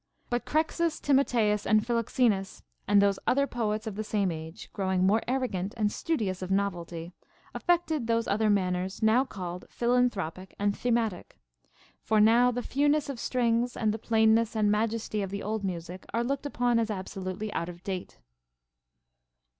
But Crexus, Timotheus, and Philoxenus. and those other poets of the same age, growing more arrogant and studious of novelty, affected those other manners now called Philan thropic and Thematic. For now the fewness of strings and the plainness and majesty of the old music are looked upon as absolutely out of date.